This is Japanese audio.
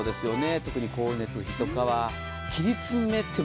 特に光熱費とかは切り詰めても。